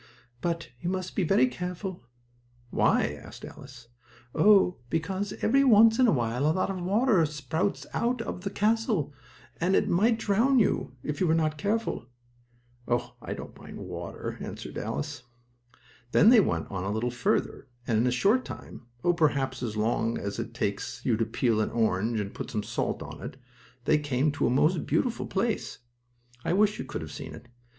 "But you must be very careful." "Why?" asked Alice. "Oh, because every once in a while a lot of water spouts up out of the castle, and it might drown you, if you were not careful." "Oh, I don't mind water," answered Alice. Then they went on a little farther, and, in a short time, oh, perhaps about as long as it takes you to peel an orange, and put some salt on it, they came to a most beautiful place. I wish you could have seen it!